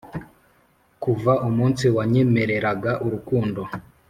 kuva umunsi wanyemereraga urukundo